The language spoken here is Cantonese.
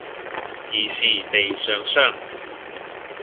疑是地上霜